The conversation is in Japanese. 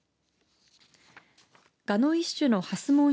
ガの一種のハスモン